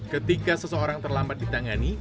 ketika seseorang terlambat ditangani